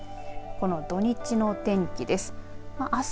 この土日の天気です。